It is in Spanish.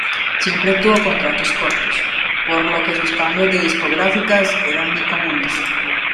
Siempre tuvo contratos cortos, por lo que sus cambios de discográficas eran muy comunes.